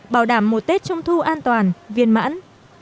bảo đảm một tết trung thu an toàn viên mãn